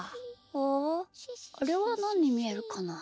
ああれはなににみえるかな？